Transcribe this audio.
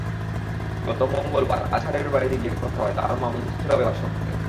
গত মঙ্গলবার আজহারের বাড়িতে গিয়ে কথা হয় তাঁর মা মনছুরা বেওয়ার সঙ্গে।